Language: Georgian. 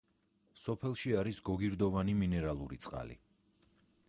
სოფელში არის გოგირდოვანი მინერალური წყალი.